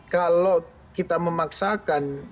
kalau kita memaksakan